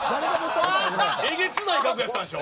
えげつない額やったんでしょ。